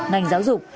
ngành giáo dục